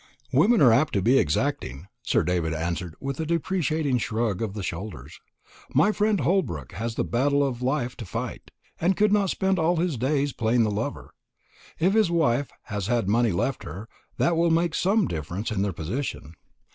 "Women are apt to be exacting," Sir David answered with a deprecating shrug of the shoulders. "My friend Holbrook has the battle of life to fight, and could not spend all his days playing the lover. If his wife has had money left her, that will make some difference in their position.